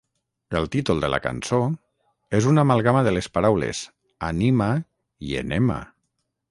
El títol de la cançó és una amalgama de les paraules "Anima" i "Enema".